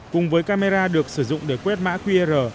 cùng với camera được sử dụng để quét mã qr